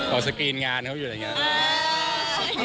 เอาสกรีนงานเขาอยู่แล้วอย่างนี้